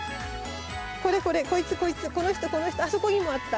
これこれこいつこいつこの人この人あそこにもあった。